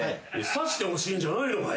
さしてほしいんじゃないのかい？